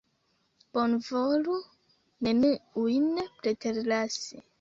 Bonvolu neniujn preterlasi!